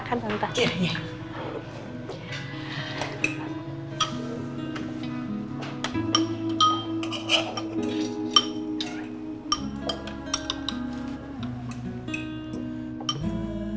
kita akan ambil satu satunya